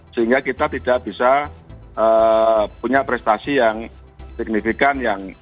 sehingga kita tidak bisa punya prestasi yang signifikan